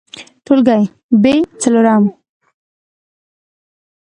ټولګى : ب څلورم